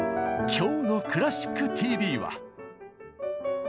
今日の「クラシックＴＶ」は。